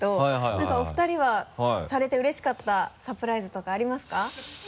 何かお二人はされてうれしかったサプライズとかありますか？